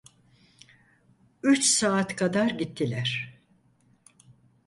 Üç saat kadar gittiler.